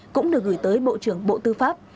cũng được gửi tới bộ trưởng bộ tư pháp